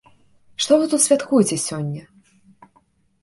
Што вы тут святкуеце сёння?